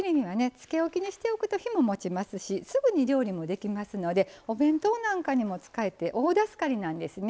漬けおきにしておくと日ももちますしすぐに料理もできますのでお弁当なんかにも使えて大助かりなんですね。